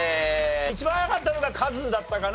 一番早かったのがカズだったかな。